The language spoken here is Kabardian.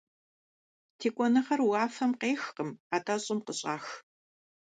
Текӏуэныгъэр уафэм къехкъым, атӏэ щӏым къыщӏах.